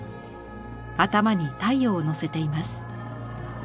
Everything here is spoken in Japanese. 頭に太陽をのせています。